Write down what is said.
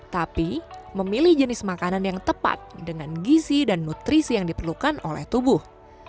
tapi memilih jenis makanan yang tepat dengan gisi dan nutrisi yang diperlukan oleh tubuh